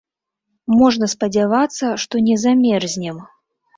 Можна спадзявацца, што не замерзнем.